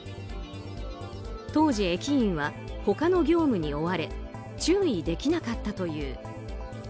当時、駅員は他の業務に追われ注意できなかったという。